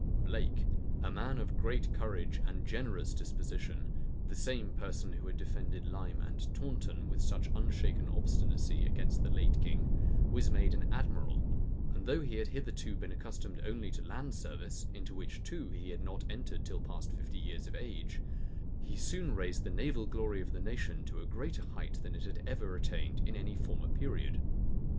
Blake, a man of great courage and a generous disposition the same person who had defended Lyme and Taunten with such unshaken obstinacy against the late king, was made an admiral; and though he had hitherto been accustomed only to land service, into which, too, he had not entered till past fifty years of age, he soon raised the naval glory of the nation to a greater height than it had ever attained in any former period.